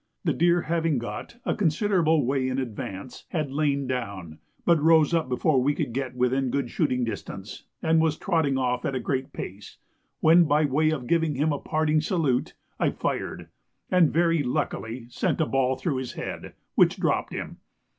The deer, having got a considerable way in advance, had lain down, but rose up before we could get within good shooting distance, and was trotting off at a great pace, when, by way of giving him a parting salute, I fired, and very luckily sent a ball through his head, which dropped him.